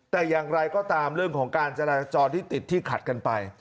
แต่อย่างไรก็ตามเรื่องของการจราจรที่ติดที่ขัดกันไป